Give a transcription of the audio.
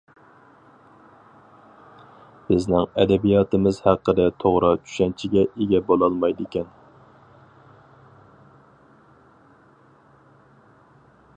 بىزنىڭ ئەدەبىياتىمىز ھەققىدە توغرا چۈشەنچىگە ئىگە بولالمايدىكەن.